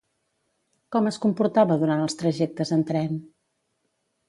Com es comportava durant els trajectes en tren?